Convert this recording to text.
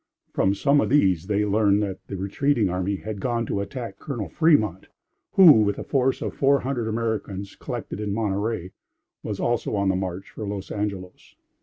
From some of these they learned that the retreating army had gone to attack Col. Fremont; who, with a force of four hundred Americans collected in Monterey, was also on the march for Los Angelos.